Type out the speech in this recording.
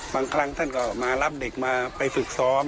บางครั้งท่านก็มารับเด็กมาไปฝึกซ้อม